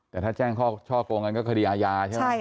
แต่ถ้าแจ้งข้อช่อโกงก็คดีอาญาใช่ไหม